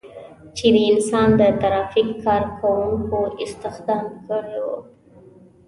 چې د انسان د ترافیک کار کوونکو استخدام کړي وو.